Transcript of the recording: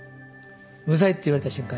「無罪」って言われた瞬間